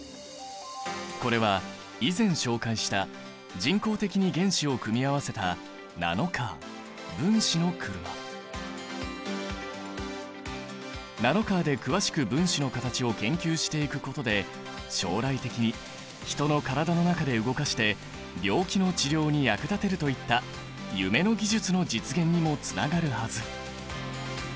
これは以前紹介した人工的に原子を組み合わせたナノカーで詳しく分子の形を研究していくことで将来的に人の体の中で動かして病気の治療に役立てるといった夢の技術の実現にもつながるはず。